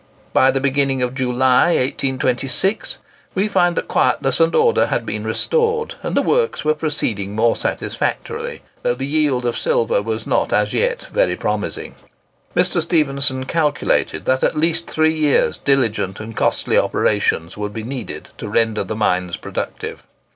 By the beginning of July, 1826, we find that quietness and order had been restored, and the works were proceeding more satisfactorily, though the yield of silver was not as yet very promising. Mr. Stephenson calculated that at least three years' diligent and costly operations would be needed to render the mines productive.